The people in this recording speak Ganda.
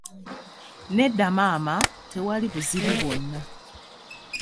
Nedda maama, tewali buzibu bwonna.